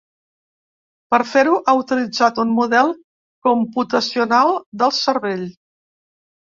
Per fer-ho ha utilitzat un model computacional del cervell.